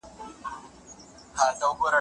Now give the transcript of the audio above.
د ملایکو اوښکې ګډې شولې.